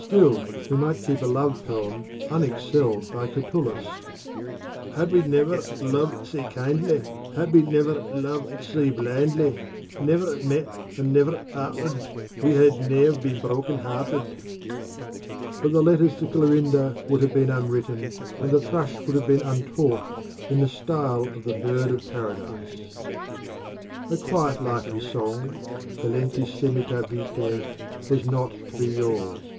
Still we might keep a love poem unexcelled by Catullus, Had we never loved sae kindly, Had we never loved sae blindly, Never met or never parted, We had ne'er been broken hearted. But the letters to Clarinda would have been unwritten, and the thrush would have been untaught in 'the style of the Bird of Paradise.' *Transliterated from Greek. A quiet life of song, fallentis semita vitae', was not to be yours.